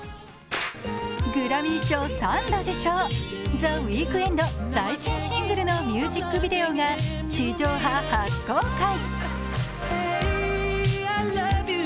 グラミー賞３度受賞、ザ・ウィークエンド、最新シングルのミュージックビデオが地上波初公開。